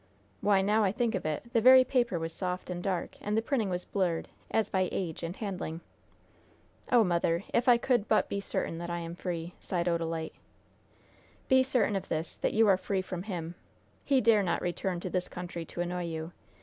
Why, now I think of it, the very paper was soft and dark, and the printing was blurred, as by age and handling." "Oh, mother, if I could but be certain that I am free!" sighed Odalite. "Be certain of this that you are free from him. He dare not return to this country to annoy you.